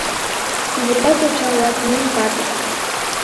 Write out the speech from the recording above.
Тӱвыргат йоча-влак, лийын патыр.